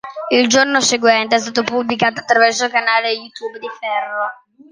Il giorno seguente è stato pubblicato attraverso il canale YouTube di Ferro.